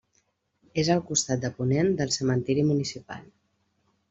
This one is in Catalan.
És al costat de ponent del Cementiri Municipal.